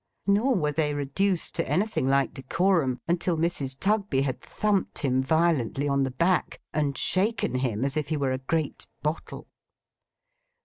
Nor were they reduced to anything like decorum until Mrs. Tugby had thumped him violently on the back, and shaken him as if he were a great bottle.